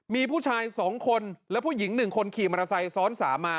มีผู้ชาย๒คนและผู้หญิง๑คนขี่มอเตอร์ไซค์ซ้อน๓มา